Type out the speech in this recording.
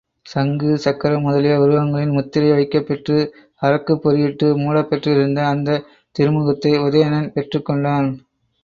சங்கு, சக்கரம் முதலிய உருவங்களின் முத்திரை வைக்கப்பெற்று அரக்குப் பொறியிட்டு மூடப்பெற்றிருந்த அந்தத் திருமுகத்தை உதயணன் பெற்றுக்கொண்டான்.